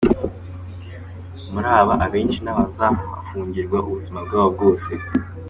Muri aba, abenshi ni abazahafungirwa ubuzima bwabo bwose.